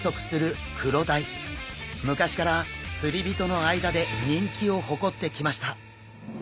昔から釣り人の間で人気を誇ってきました。